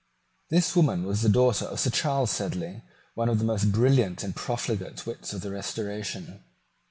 This woman was the daughter of Sir Charles Sedley, one of the most brilliant and profligate wits of the Restoration.